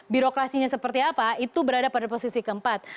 birokrasinya seperti apa itu berada pada posisi keempat